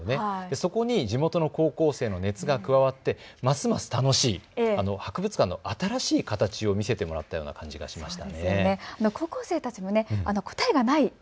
そこに地元の高校生の熱が加わって、ますます楽しい博物館の新しい形を見せてもらったような感じがしました。